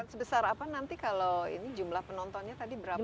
sebesar apa nanti kalau ini jumlah penontonnya tadi berapa